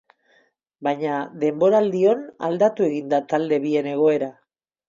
Baina denboraldion aldatu egin da talde bien egoera.